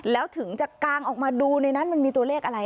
แล้วถึงจะกางออกมาดูในนั้นมันมีตัวเลขอะไร